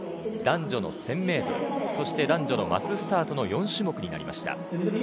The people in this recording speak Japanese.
男女の１０００ｍ男女のマススタートの４種目になりました。